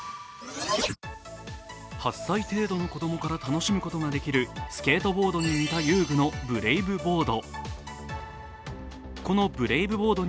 ８歳程度の子供から楽しむことができるスケートボードに似た遊具のブレイブボード。